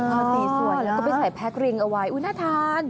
โรตีสวยก็ไปใส่แพ็คเรียงเอาไว้อุ๊ยน่าทาน